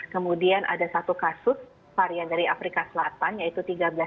kemudian ada satu kasus varian dari afrika selatan yaitu tiga belas dua puluh